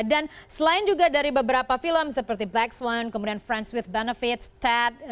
dan selain juga dari beberapa film seperti black swan kemudian friends with benefits ted